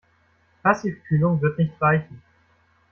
Passivkühlung wird nicht reichen.